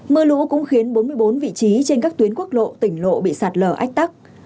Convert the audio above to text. mưa lũ cũng khiến bốn mươi bốn vị trí trên các tuyến quốc lộ tỉnh lộ bị sạt lở ách tắc